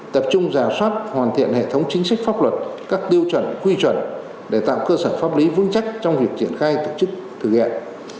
tập trung giả soát hoàn thiện hệ thống chính sách pháp luật các tiêu chuẩn quy chuẩn để tạo cơ sở pháp lý vững chắc trong việc triển khai tổ chức thực hiện